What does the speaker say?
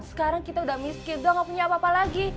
sekarang kita udah miskin udah gak punya apa apa lagi